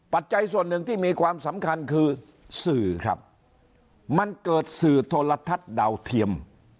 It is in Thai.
ปัจจัยส่วนหนึ่งที่มีความสำคัญคือสื่อครับมันเกิดสื่อโทรทัศน์ดาวเทียม